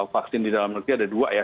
vaksin di dalam negeri ada dua ya